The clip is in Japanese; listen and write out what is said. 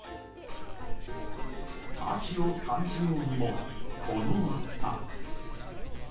秋を感じようにも、この暑さ。